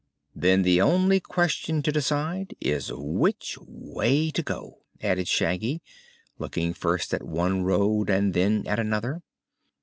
"Then the only question to decide is which way to go," added Shaggy, looking first at one road and then at another.